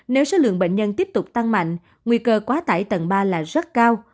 nếu số lượng bệnh nhân tiếp tục tăng mạnh nguy cơ quá tải tầng ba là rất cao